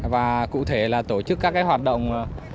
và cụ thể là tổ chức các hoạt động